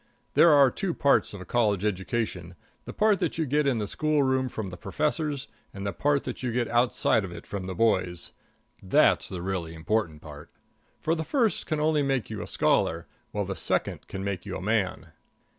There are two parts of a college education the part that you get in the schoolroom from the professors, and the part that you get outside of it from the boys. That's the really important part. For the first can only make you a scholar, while the second can make you a man.